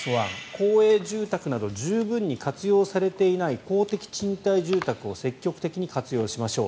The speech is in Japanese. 公営住宅など十分に活用されていない公的賃貸住宅を積極的に活用しましょう。